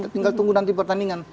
tinggal tunggu nanti pertandingan